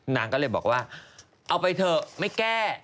นางก็เลยบอกว่าเอาไปเถอะไม่แก้